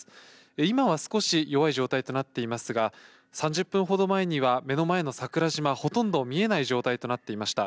今は少し弱い状態となっていますが、３０分ほど前には、目の前の桜島、ほとんど見えない状態となっていました。